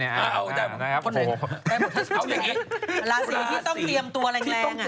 ราศีที่ต้องเตรียมตัวแรง